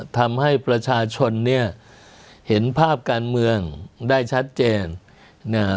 ทำให้ประชาชนเนี่ยเห็นภาพการเมืองได้ชัดเจนนะฮะ